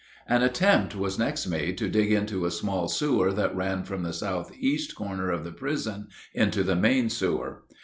An attempt was next made to dig into a small sewer that ran from the southeast corner of the prison into the main sewer.